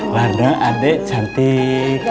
warno adik cantik